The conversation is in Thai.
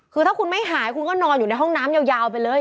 คือถ้าคุณไม่หายคุณก็นอนอยู่ในห้องน้ำยาวไปเลย